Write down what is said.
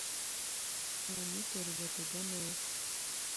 wanyitera ugatega neza,